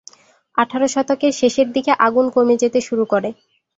আঠারো শতকের শেষের দিকে আগুন কমে যেতে শুরু করে।